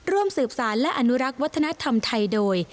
ร่วมสืบสารและอนุรักษ์วัฒนธรรมไทยโดย